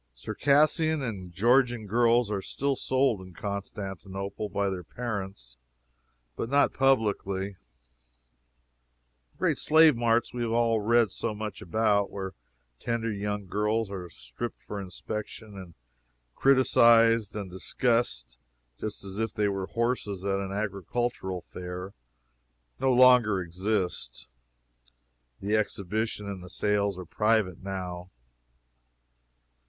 Circassian and Georgian girls are still sold in Constantinople by their parents, but not publicly. The great slave marts we have all read so much about where tender young girls were stripped for inspection, and criticised and discussed just as if they were horses at an agricultural fair no longer exist. The exhibition and the sales are private now.